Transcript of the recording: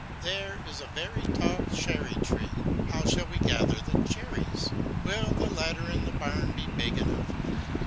There is a very tall cherry tree; how shall we gather the cherries? Will the ladder in the barn be big enough?